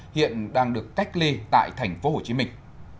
hiện đang được cách ly tại thành phố hồ chí minh